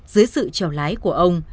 dưới sự chào lái của ông